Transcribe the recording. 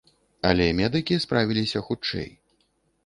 Але медыкі справіліся хутчэй.